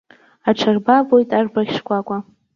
Аҽарбабоит арбаӷь шкәакәа.